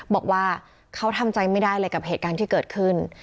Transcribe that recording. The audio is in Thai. บอกว่าเขาทำใจไม่ได้เลยกับเหตุการณ์ที่เกิดขึ้น